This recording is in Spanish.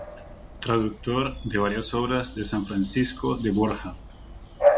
Traductor de varias obras de san Francisco de Borja.